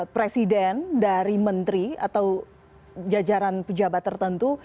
presiden dari menteri atau jajaran pejabat tertentu